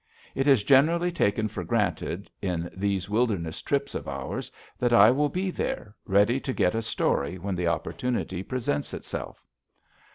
It is generally taken for granted in these wilderness trips of ours that I will be there, ready to get a story when the opportunity presents itself.